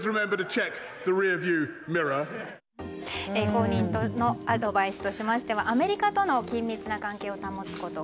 後任へのアドバイスとしましてアメリカとの緊密な関係を保つこと